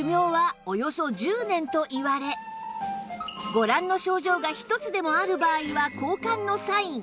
ご覧の症状が１つでもある場合は交換のサイン